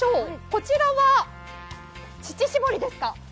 こちらは乳搾りですか。